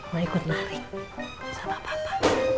ma ikut lari sama papa